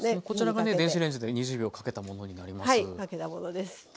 こちらがね電子レンジで２０秒かけたものになります。